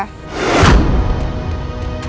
dan saya berharap